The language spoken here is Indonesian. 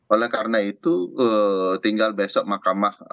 oleh karena itu tinggal besok mahkamah mengambil kesempatan